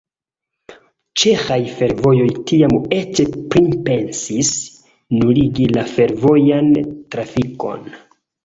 Ĉeĥaj Fervojoj tiam eĉ pripensis nuligi la fervojan trafikon.